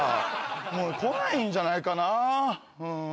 もう来ないんじゃないかなうん。